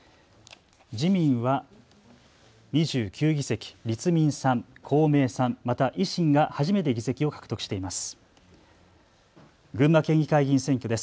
自民は２９議席、立民３、公明３、また維新が初めて議席を獲得しています。